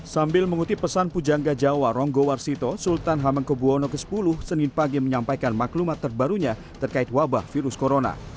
sambil mengutip pesan pujangga jawa ronggo warsito sultan hamengkebuwono x senin pagi menyampaikan maklumat terbarunya terkait wabah virus corona